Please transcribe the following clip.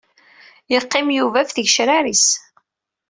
Yeqqim Yuba ɣef tgecrar-is.